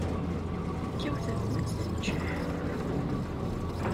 Tekkaw tedwat teččeḥ.